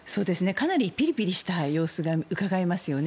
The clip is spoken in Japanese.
かなりピリピリした様子がうかがえますよね。